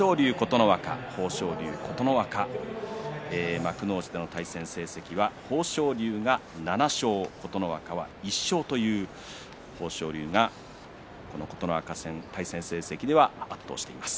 幕内の対戦成績は豊昇龍が７勝琴ノ若が１勝と豊昇龍が琴ノ若戦対戦成績では圧倒しています。